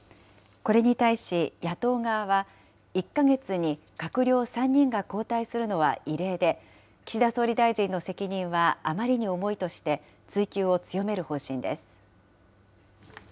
これに対し、野党側は、１か月に閣僚３人が交代するのは異例で、岸田総理大臣の責任はあまりに重いとして、追及を強める方針です。